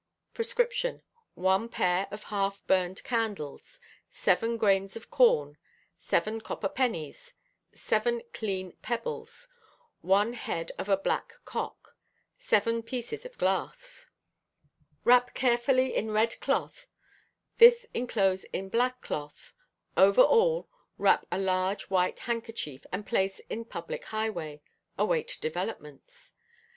Rx 1 Pair half burned candles. 7 Grains of corn. 7 Copper pennies. 7 Clean pebbles. 1 Head of a black cock. 7 Pieces glass. Wrap carefully in red cloth, this enclose in black cloth, over all wrap a large white handkerchief and place in public highway, await developments....